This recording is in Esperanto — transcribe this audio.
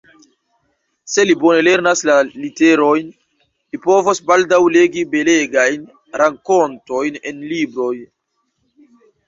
Se li bone lernas la literojn, li povos baldaŭ legi belegajn rakontojn en libroj.